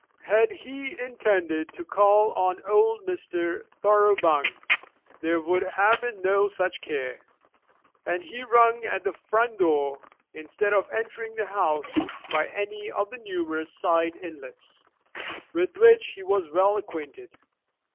Had he intended to call on old Mr. Thoroughbung there would have been no such care. And he rung at the front door, instead of entering the house by any of the numerous side inlets with which he was well acquainted.